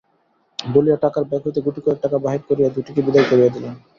– বলিয়া টাকার ব্যাগ হইতে গুটিকয়েক টাকা বাহির করিয়া দুটিকে বিদায় করিয়া দিলেন।